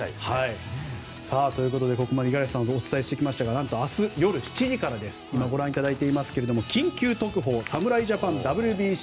ここまで五十嵐さんとお伝えしてきましたが明日夜７時からご覧いただいていますが「緊急特報、侍ジャパンＷＢＣ